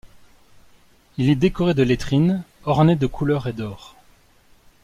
Il est décoré de lettrines ornées de couleurs et d'or.